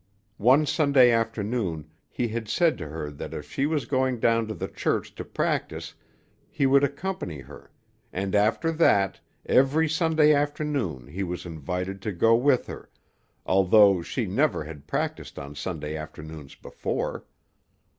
One Sunday afternoon he had said to her that if she was going down to the church to practise, he would accompany her, and after that, every Sunday afternoon he was invited to go with her, although she never had practised on Sunday afternoons before.